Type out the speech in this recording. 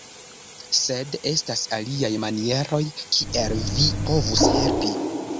Sed estas aliaj manieroj kiel vi povus helpi